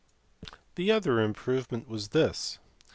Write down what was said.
The other improvement was this.